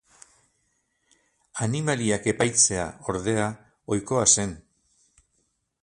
Animaliak epaitzea, ordea, ohikoa zen.